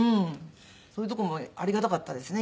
そういうとこもありがたかったですね